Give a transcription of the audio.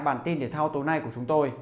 bản tin thể thao tối nay của chúng tôi